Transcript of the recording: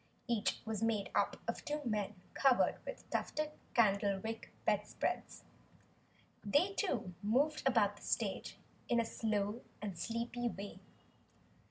Each was made up of two men covered with tufted candlewick bedspreads. They too moved about the stage in a slow and sleepy way.